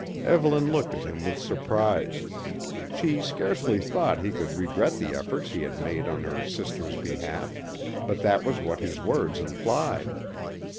Evelyn looked at him with surprise. She scarcely thought he could regret the efforts he had made on her sister's behalf, but that was what his words implied.